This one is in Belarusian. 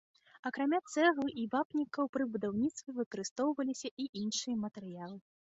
Акрамя цэглы і вапняку пры будаўніцтве выкарыстоўваліся і іншыя матэрыялы.